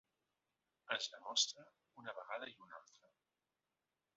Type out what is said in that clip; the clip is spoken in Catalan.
Es demostra una vegada i una altra.